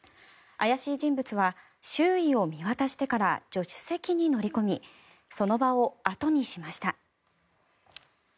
怪しい人物は周囲を見渡してから助手席に乗りこみその場を後にしました。